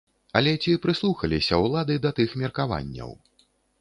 Але ці прыслухаліся ўлады да тых меркаванняў?